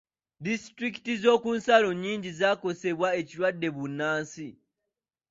Disitulikiti z'oku nsalo nnyingi zaakosebwa ekirwadde bbunansi.